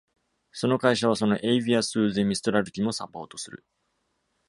その会社はそのエイヴィアスードゥ・ミストラル機もサポートする。